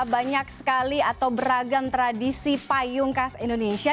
banyak sekali atau beragam tradisi payung khas indonesia